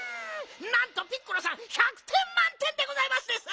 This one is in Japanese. なんとピッコラさん１００てんまんてんでございますです！